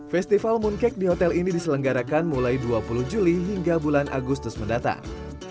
festival mooncake di hotel ini diselenggarakan mulai dua puluh juli hingga bulan agustus mendatang